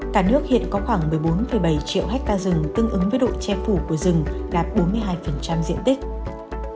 cả nước hiện có khoảng một mươi bốn bảy triệu hectare rừng tương ứng với độ che phủ của rừng đạt bốn mươi hai diện tích